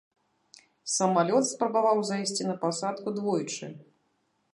Самалёт спрабаваў зайсці на пасадку двойчы.